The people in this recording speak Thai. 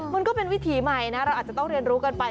มันก็เป็นวิถีใหม่นะเราอาจจะต้องเรียนรู้กันไป